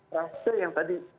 praktik yang tadi